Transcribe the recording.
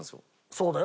そうだよ。